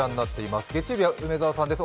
月曜日は梅澤さんです。